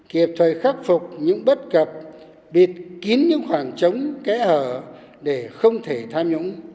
kịp thời khắc phục những bất cập bịt kín những khoảng trống kẽ hở để không thể tham nhũng